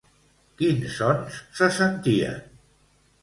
Quins sons se sentien?